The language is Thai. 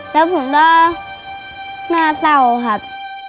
แล้วผมก็น่าเศร้าครับ